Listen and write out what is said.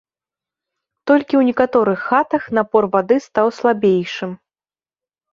Толькі ў некаторых хатах напор вады стаў слабейшым.